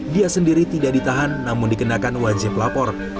dia sendiri tidak ditahan namun dikenakan wajib lapor